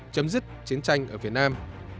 chấm dứt chiến tranh ở việt nam